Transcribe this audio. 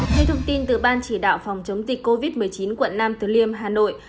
theo thông tin từ ban chỉ đạo phòng chống dịch covid một mươi chín quận nam từ liêm hà nội